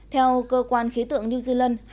theo cơ quan khí tượng new zealand